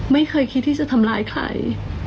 ไม่เคยคิดที่จะทำร้ายใคร